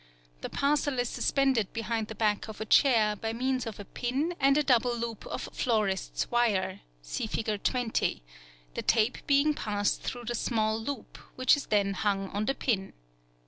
The parcel is suspended behind the back of a chair by means of a pin and a double loop of florist's wire (see Fig. 20), the tape being passed through the small loop, which is then hung on the pin.